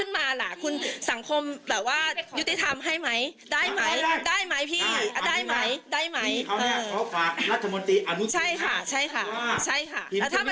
มันสามารถมีป้องกันโควิดได้ใช่ไหม